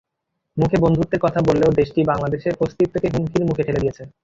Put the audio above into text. মুখে বন্ধুত্বের কথা বললেও দেশটি বাংলাদেশের অস্তিত্বকে হুমকির মুখে ঠেলে দিয়েছে।